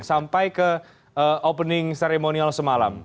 sampai ke opening ceremonial semalam